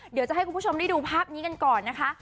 เดี๋ยวจะให้คุณผู้ชมได้ดูภาพนี้กันก่อนนะคะ